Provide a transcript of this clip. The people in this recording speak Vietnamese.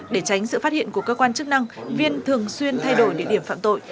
để tránh sự phát hiện của cơ quan chức năng viên thường xuyên thay đổi địa điểm phạm tội